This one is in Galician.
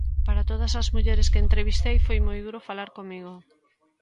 Para todas as mulleres que entrevistei foi moi duro falar comigo.